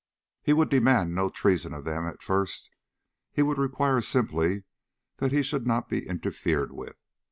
He would demand no treason of them at first. He would require simply that he should not be interfered with.